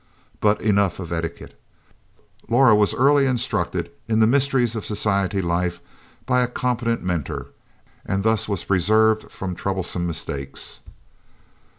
But enough of etiquette. Laura was early instructed in the mysteries of society life by a competent mentor, and thus was preserved from troublesome mistakes.